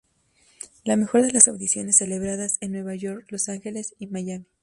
La mejor de las audiciones celebradas en Nueva York, Los Ángeles y Miami.